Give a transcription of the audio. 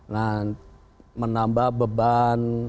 nah menambah beban